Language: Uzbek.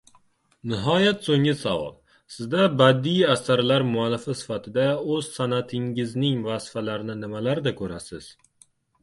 – Nihoyat soʻnggi savol. Siz badiiy asarlar muallifi sifatida oʻz sanʼatiningizning vazifalarini nimalarda koʻrasiz?